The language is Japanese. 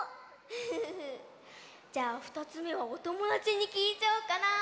じゃあ２つめはおともだちにきいちゃおうかな。